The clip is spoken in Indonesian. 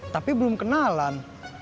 tapi belum kenalan